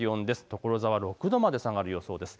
所沢６度まで下がる予想です。